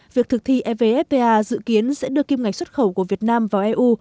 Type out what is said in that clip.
việc thực thi evfta dự kiến sẽ đưa kim ngạch xuất khẩu của việt nam vào eu